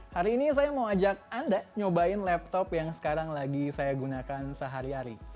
hari ini saya mau ajak anda nyobain laptop yang sekarang lagi saya gunakan sehari hari